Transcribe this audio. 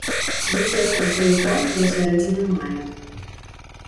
Цвіце з красавіка да сярэдзіны мая.